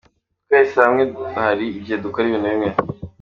Twese hamwe hari igihe dukora ibintu bimwe.